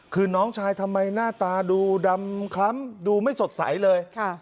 คือน้องชายทำไมหน้าตาดูดำคล้ำดูไม่สดใสเลย